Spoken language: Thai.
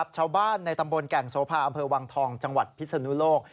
ชาวบ้านในตำบลแก่งโสภาอำเภอวังทองจังหวัดพิศนุโลก